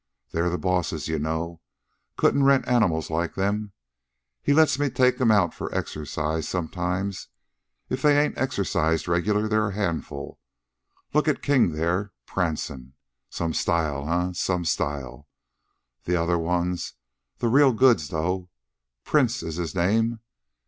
"They're the boss's, you know. Couldn't rent animals like them. He lets me take them out for exercise sometimes. If they ain't exercised regular they're a handful. Look at King, there, prancin'. Some style, eh? Some style! The other one's the real goods, though. Prince is his name.